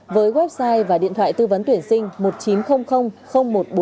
với website và điện thoại tư vấn tuyển sinh một nghìn chín trăm linh một trăm bốn mươi sáu